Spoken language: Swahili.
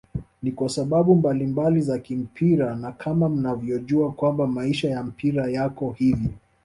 Ni kwasababu mbalimbali za kimpira na kama mnavyojua kwamba maisha ya mpira yako hivyo